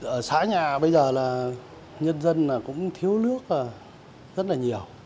ở xã nhà bây giờ là nhân dân cũng thiếu nước rất là nhiều